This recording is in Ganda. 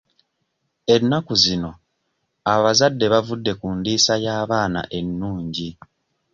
Ennaku zino abazadde bavudde ku ndiisa y'abaana ennungi.